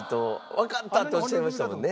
「わかった！」っておっしゃいましたもんね。